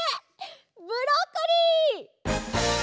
ブロッコリー！